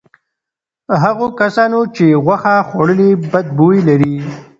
هغو کسانو چې غوښه خوړلې بد بوی لري.